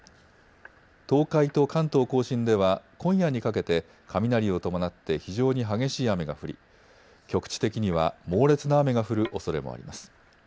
東海と関東甲信では今夜にかけて雷を伴って非常に激しい雨が降り、局地的には猛烈な雨が降るおそれもあります。